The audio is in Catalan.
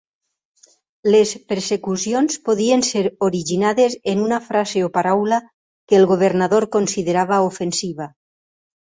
Les persecucions podien ser originades en una frase o paraula que el governador considerava ofensiva.